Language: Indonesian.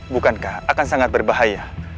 bukankah akan sangat berbahaya